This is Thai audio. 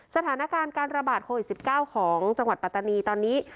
สถานการณ์การระบาดโควิด๑๙ของจังหวัดปัตตานีตอนนี้